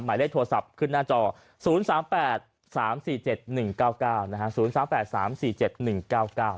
หมายเลขโทรศัพท์ขึ้นหน้าจอ๐๓๘๓๔๗๑๙๙นะฮะ